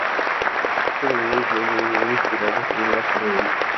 Este domingo incluye un himno inspirado en la parábola.